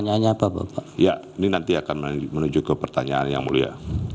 ya ini nanti akan menuju ke pertanyaan yang mulia